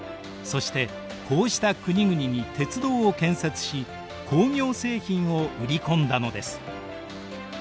そしてこうした国々に鉄道を建設し工業製品を売り込んだのです。